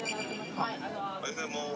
おはようございます。